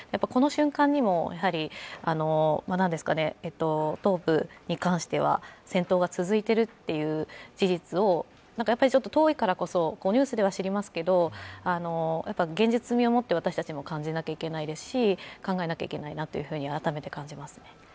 この瞬間にも東部に関しては戦闘が続いているという事実を、遠いからこそニュースでは知りますけど、現実味を持って私たちも感じなきゃいけないですし考えなきゃいけないなと改めて感じますね。